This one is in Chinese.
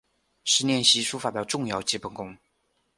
是练习书法的重要基本功。